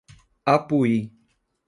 Apuí